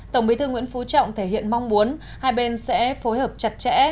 tổng bí thư nguyễn phú trọng thể hiện mong muốn hai bên sẽ phối hợp chặt chẽ